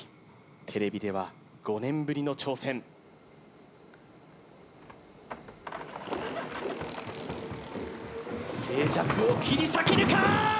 テレビでは５年ぶりの挑戦静寂を切り裂けるか？